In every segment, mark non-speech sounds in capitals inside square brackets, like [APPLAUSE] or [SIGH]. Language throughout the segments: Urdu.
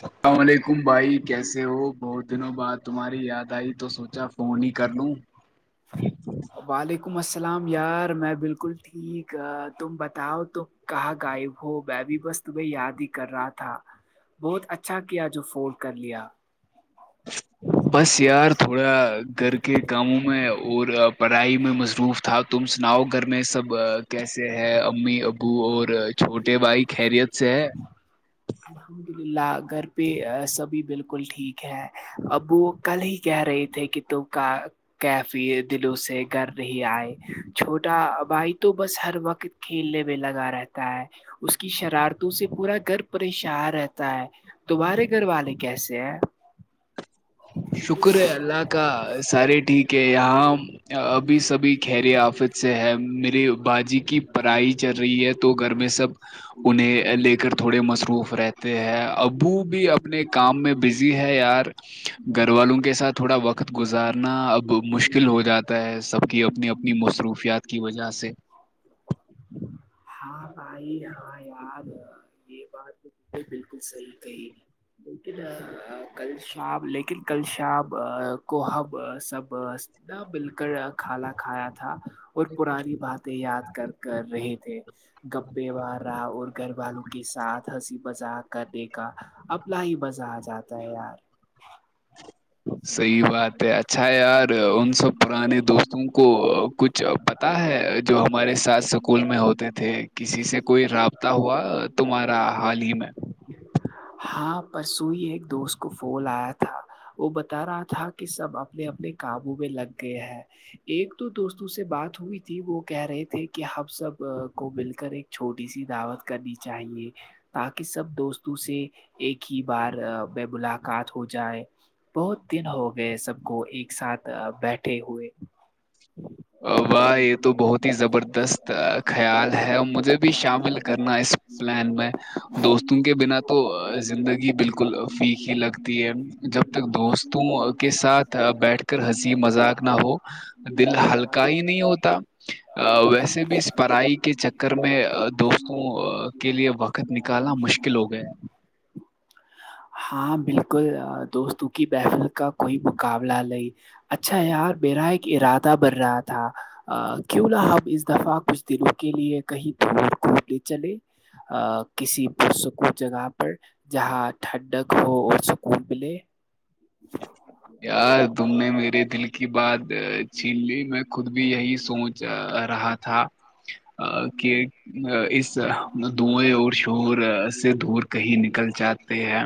سب السلام علیکم بھائی کیسے ہو بہت دنوں بعد تمہاری یاد آئی تو سوچا فون ہی کر لوں جی وعلیکم السلام یار میں بالکل ٹھیک تم بتاؤ تو کہا گائےب ہو میں بھی بس تمہیں یاد ہی کر رہا تھا بہت اچھا کیا جو فولڈ کر لیا بس یار تھوڑا گھر کے کاموں میں اور پڑھائی میں مصروف تھا تم سناؤ گھر میں سب کیسے ہے امی ابو اور چھوٹے بھائی خیریت چ الحمد للہ گھر پہ سبھی بالکل ٹھیک ہے اب وہ کل ہی کہہ رہے تھے کہ ت کا کیفی دلوں سے گر نہیں آئے چھوٹا بھائی تو بس ہر وقت کلے بھی لگا رہا تھ ہے اس کی شرارتوں سے پورا گھر پریشان رہتا ہے دوبارہ گھر والے کیسے ہیں شکر ہے اللہ کا سارے ٹھیک ہے یہاں ابھی سبھی خری آفت سے ہے میرری باجی کی پرائی چل رہی ہے تو گھر میں سب انہیں لے کر تھوڑے مصروف رہتے ہیں ابو بھی اپنے کام میں بزی ہے یار [INAUDIBLE] گھر والوں کے ساتھ تھوڑا وقت گزارنا اب مشکل ہو جاتا ہے سب کی اپنی اپنی مصروفیات کی وجہ سے ہاں بھائی ہاں یاد یہ بات بالکل بالکل صحیح کہی لیکن کل شام لیکن کل شام کو ہم سب نہ مل کر کھالا کھایا تھا اور پرانی باتیں یاد کر کر رہے تھے گپپے وہ اور گھر والوں کے ساتھ ہنسی مذاق کرنے کا اپلا ہی بزہ آ جاتا ہے یار صحی بات ہے اچھا یار ان سب پرانے دوستوں کو کچھ جو پتاہ ہے جو ہمارے ساتھ سکول میں ہوتے تھے کسی سے کوئی رابطہ ہوا تمہارا حال ہی میں ہاں پرس سوئی ہے ایک دوست کو پول آیا تھا وہ بتا رہا تھا کہ سب اپنے اپنے کاابوں میں لگ گئے ہیں ایک تو دوستوں سے بات ہوئی تھی وہ کہہ رہے تھے کہ ہم سب کو مل کر ایک چھوٹی سی دعوت کرنی چاہیے تاکہ سب دوستوں سے ایک ہی بار ب بلا قات ہو جائے بہت دن ہو گئے سب کو ایک ساتھ بیٹھے ہوئے میسجز واہ یہ تو بہت ہی زبردست کرانے خیال ہے اور مجھے بھی والا شامل کرنا اس پلان میں دوستوں کے بنا تو زندگی بالکل فھیک ہی لگتی ہے جب تک دوستوں کے ساتھ بیٹھ کر ہنسی مذاق نہ ہو دل ہی نہیں ہوتا ویسے بھی اس پڑھائی کے چکر میں دوستوں کے لیئے وقت نکالنا مشکل ہو گیا ہاں بالکل دوستوں کی بحثل کا کوئی مقابلہ نہیں اچھا یار میرا ایک ارادہ بن رہا تھا کیوں نہ ہمب اس دفعہ کچھ دنوں کے لیے کہیں دور کوٹنے چلے ا کسی پرسکو جگہ پر [UNINTELLIGIBLE] جہاں ٹھڈگ ہو اور سکون ملے ایک یار تم نے میرے دل کی بات چلی میں خود بھی یہی سوچ رہا تھا کہ اس دئیں اور شور سے کہیں نکل جاتے ہیں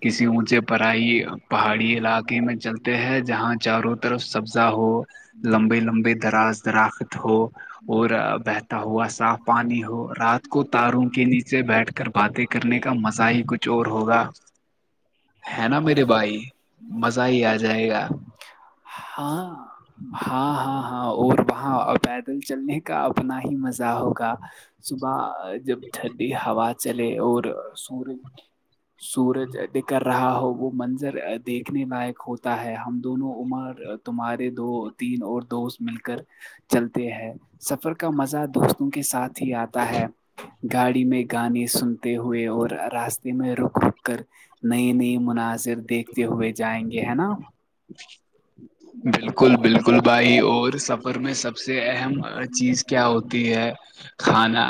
کسی اونچے پرائی پہاڑی علاقے ق میں چلتے ہے جہاں چاروں طرف سبزا ہو لمبے لمبے دراز دراخت ہو اور بہتا ہوا صاف پانی ہو رات کو تاروں کے نیچے بیٹھ کر باتیں کرنے کا مزہ ہی کچھ اور ہوگا ہے نا میرے بھائی مزہ ہی آ جائے گا ہاں ہاں ہاں ہاں اور وہاں پیدل چلنے کا اپنا ہی مزہ ہوگا صبح جب ٹھنڈی ہوا چلے اور سورج سورج کر [UNINTELLIGIBLE] رہا ہو وہ منظر دیکھنے لائق ہوتا ہے ہم دونوں عمر تمہارے دو تین اور دوست مل کر چلتے سفر کا مزہ دوستوں کے ساتھ ہی آتا ہے گاڑی میں گانے سنتے ہوئے اور راستے میں رک رک کر نئے نئے مناظر دیکھتے ہوئے جائیں گے ہے نا بالکل بالکل بھائی اور سفر میں سب سے سے اہم چیز کیا ہوتی ہے کھانا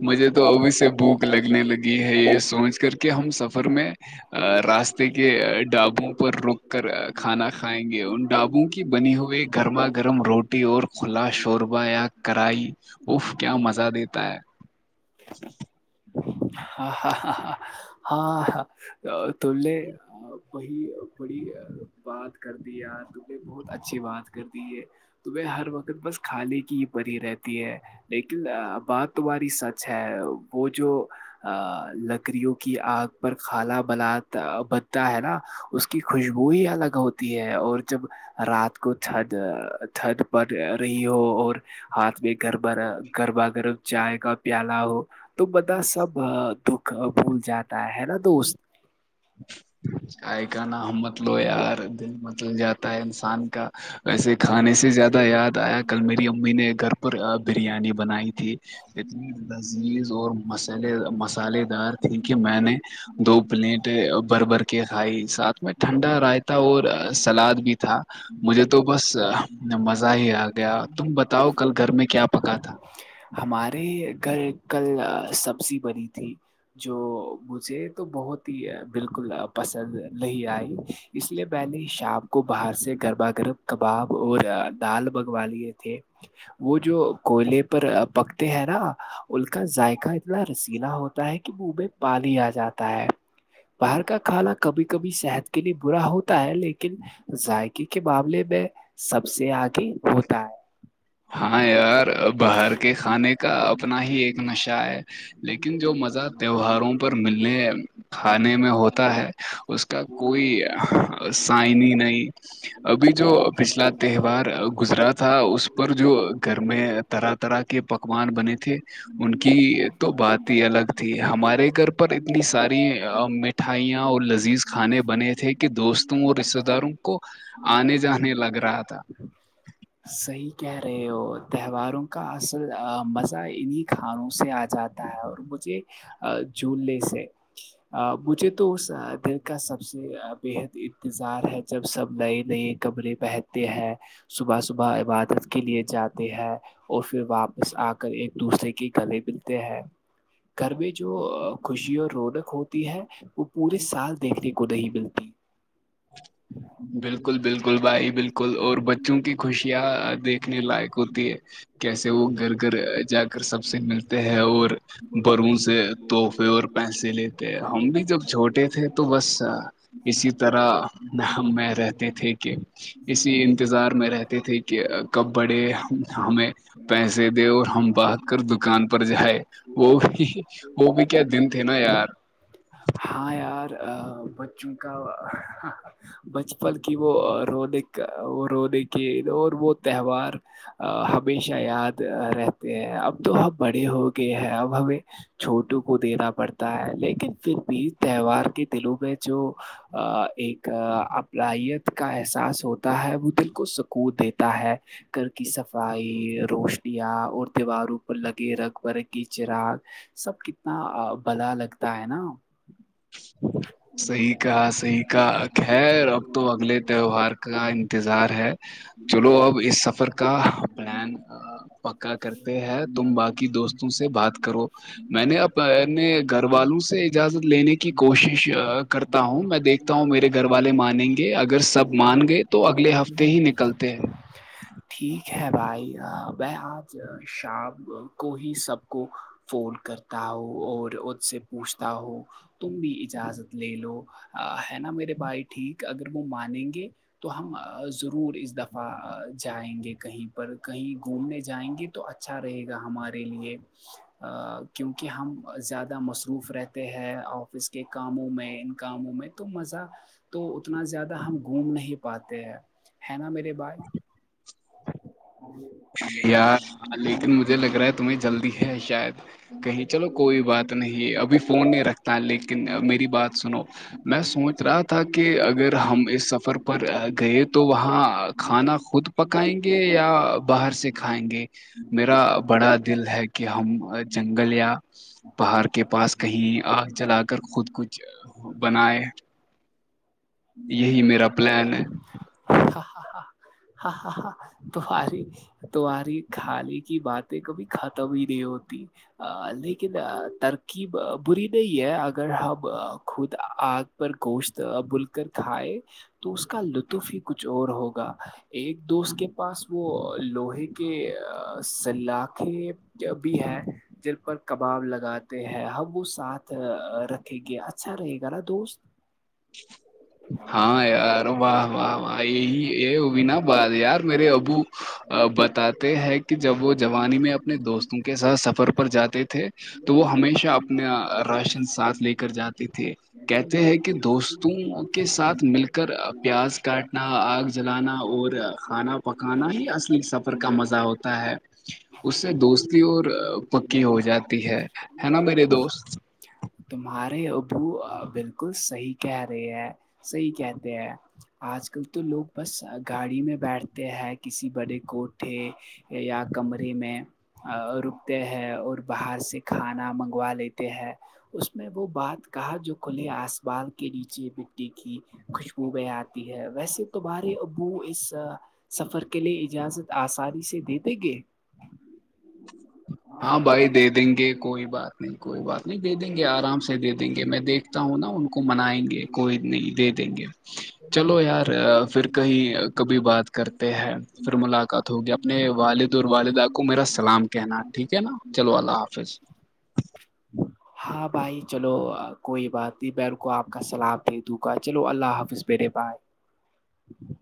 مجھے تو ابھی سے بھوک لگنے لگی ہے یہ سوچ کر کے ہم سفر میں ا راستے کے ڈابوں پر [UNINTELLIGIBLE] کر کھانا کھائیں گے ان ڈابوں کی بنی ہوئی گرما گرم روٹی اور کھلا شوربہ یا کرائی اف کیا مزہ دیتا ہے ہاں ہ ہاں ہاں تو وہ بڑی بات کر دی یار تبے بہت اچھی بات کر دی ہے تو وہ ہر وقت بس کھانے کی ہی پ ہی رہتی ہے لیکن بات ہماری سچ ہے وہ جو ا لکڑیوں کی آگ پر کالا بل بنتا ہے نا اس کی خوشبو ہی الگ ہوتی ہے اور جب رات کو چد چد پ رہی ہو اور ہاتھ میں گربا گربا گرب چائے کا پیالا ہو تو بندہ سب دکھ بھول جاتا ہے نا دوست آئی کا نا ہمحمد لویا اور دل متل جاتا ہے انسان کا ویسے کھانے سے زیادہ یاد آیا کل میری امی نے گھر پر بریانی بنائی تھی اتنی لذیذ اور مسے مسالحے دار تھی کہ میں نے دو پلیٹ بھر بھر کے کھائی ساتھ میں ٹھنڈا رائتا اور سلاد بھی تھا مجھے تو بس مزہ ہی آ گیا تم بتاؤ کل گھر میں کیا پکا تھا [UNINTELLIGIBLE] ہمارے گھر کل سبزی بنی تھی جو مجھے تو بہت ہی بالکل پسند نہیں آئی اس لیے میں نے شام کو باہر سے گرما گرم کباب اور دال بنگوا لیے تھے وہ جو کوئلے پر پکتے ہیں نا ان کا ذائقہ اتنا رسیین ہوتا ہے کہ منہ میں پال ہی آ جاتا ہے باہر کا کھانا کبھی کبھی صحت کے لیے برا ہوتا ہے لیکن ذائقے کے معاملے میں سب سے آگے ہوتا ہے ہاں یار باہر کے کھانے کا اپنا ہی ایک نشہ ہے لیکن جو مزہ تہواروں پر ملنے کھانے میں ہوتا ہے اس کا کوئی سائنی نئی ابھی جو پچھلا تہوار گزرا تھا اس پر جو گھر میں طرح طرح کے پکوان بنے تھے ان کی تو بات ہی الگ تھی ہمارے گھر پر اتنی ساری م مٹھائیاں اور لذیذ کھانے بنے تھے کے دوستوں اور رشتے داروں کو آنے جانے لگ رہا تھا صحیح کہہ رہے ہو تہواروں کا اصل مزہ انہیں کھانوں سے آ جاتا اور مجھے جھوولے سے مجھے تو اس دل کا سب سے بےحد انتظار ہے جب سب نئے نئے کمرے پہنتے ہیں صبح صبح عبادت کے لیے جاتے ہیں اور پھر واپس آ کر ایک دوسرے کے گلے ملتے ہیں گھر میں جو خوشی اور رونق ہوتی ہے وہ پورے سال دیکھنے کو نہیں ملتی [INAUDIBLE] بالکل بالکل بھائی بالکل اور بچوں کی خوشیاں دیکھنے لائق ہوتی ہے کیسے وہ گھر گھر جا کر سب سے ملتے ہیں اور بروں سے تحفے اور پیسے لیتے ہم بھی جب چھوٹے تھے تو بس اسی طرح نہ ہم میں رہتے تھے کہ اسی انتظار میں رہتے تھے کہ کب بڑے ہمیں پیسے دے اور ہم بانات کر دکان پر جائے وہ بھی وہ بھی کیا دن تھے نا یار ہاں یار بچوں کا بچپن کی وہ رونے وہ رونے کے اور وہ تہوار ہمیشہ یاد رہتے ہیں اب تو ہم بڑے ہو گئے ہیں اب ہمیں چھوٹوں کو دینا پڑتا ہے لیکن پھر بھی تہوار کے دلوں میں جو ایک ابلاائییت کا احساس ہوتا ہے وہ دل کو سکوت دیتا ہے گھر کی صفائی روشنیاں اور دیواروں پر لگے رگ برگ کی چراگ سب کتنا بلا لگتا ہے نا کہ صحیح کا ہے اب تو اگلے تہوار کا انتظار ہے چلو اب اس سفر کا پلان پکا کرتے ہیں تم باقی دوستوں سے بات کرو میں نے اپنے گھر والوں سے اجازت لینے کی کوشش کرتا ہوں میں دیکھتا ہوں میرے گھر والے مانیں گے اگر سب مان گئے تو اگلے ہفتے ہی نکلتے ہیں ج [INAUDIBLE] ٹھیک ہے بھائی میں آج شام کو ہی سب کو فون کرتا ہو اور اس سے پوچھتا ہو تم بھی اجازت لے لو ہے نا میرے بھائی ٹھیک اگر وہ مانیں گے تو ہم ضرور اس دفعہ جائیں گے کہیں پر کہیں گھومنے جائیں گے تو تو اچھا رہے گا ہمارے لیے کیونکہ ہم زیادہ مصروف رہتے ہیں آفس کے کاموں میں ان کاموں میں تو مزہ تو اتنا زیادہ ہم گھوم نہیں پاتے ہیں ہے نا بائے [UNINTELLIGIBLE] ہ [UNINTELLIGIBLE] اں مجھے لگ رہا ہے تمہیں جلدی ہے شاید [UNINTELLIGIBLE] کہیں چلو کوئی بات نہیں ابھی فون نہیں رکھتا لیکن میری بات سنو میں سوچ رہا تھا کہ اگر ہم اس سفر پر گئے تو وہاں کھانا خود پکائیں گے یا باہر سے کھائیں گے میرا بڑا دل ہے کہ ہم جنگل یا پہاڑ کے پاس کہیں آگ جلا کر خود کچھ بنائے ہ یہی میرا پلان ہے ہ ہاں ہ ہ توہاری تہاری خالی کی باتیں کبھی ختم ہی نہیں ہوتی لیکن ترکیب بری نہیں ہے اگر ہم خود آ پر کووشت ابول [UNINTELLIGIBLE] کر کھائے تو اس کا لطف ہی کچھ اور ہوگا ایک دوست کے پاس وہ لوہے کے سلاخے بھی ہے جل پر کباب لگاتے ہیں ہم وہ ساتھ رکھیں گے اچھا رہے گا نا دوست [INAUDIBLE] ہاں یار واہ واہ واہ یہی یہ بھی نا بات یار میرے ابو بتاتے ہیں کہ جب وہ جوانی میں اپنے دوستوں کے ساتھ سفر پر جاتے تھے تو وہ ہمیشہ اپنا راشن ساتھ لے کر جاتے تھے کہتے ہیں کہ تم کے ساتھ مل کر پیاز کاٹنا آگ جلانا اور کھانا پکانا ہی اصلی سفر کا مزہ ہوتا ہے اس سے دوستی اور پکی ہو جاتی ہے ہے نا میرے دوست تمہارے ابو بالکل صحیح کہ ہے سی کہتے ہیں آج کل تو لوگ بس گاڑی میں بیٹھتے ہیں کسی بڑے کوٹے یا کمرے میں رکتے ہیں اور باہر سے کھانا منگوا لیتے ہیں اس میں وہ بات کہا جو کھلے آس بال کے نیچے چی مٹی کی خوشبو میںیں آتی ہے ویسے تمہارے ابو اس سفر کے لیے اجازت آسانی سے دے دیں گے [INAUDIBLE] ہاں بھائی دے دیں گے کوئی بات نہیں کوئی بات نہیں دے دیں گے آرام سے دے دیں گے میں دیکھ ہو نا ان کو منائیں گے کوئی نہیں دے دیں گے چلو یار پھر کہیں کبھی بات کرتے ہیں پھر ملاقات ہوگی اپنے والد اور والدہ کو میرا سلام کہنا ٹھیک ہے نا چلو اللہ حافظ ہاں بھائی چلو کوئی بات نہیں میں ان کو آپ کا سلاام دے دوں گا چلو اللہ حافظ پیرے پائے [UNINTELLIGIBLE]